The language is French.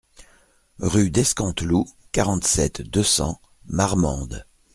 Rue d'Escanteloup, quarante-sept, deux cents Marmande